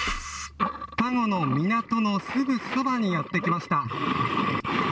田子の港のすぐそばにやって来ました。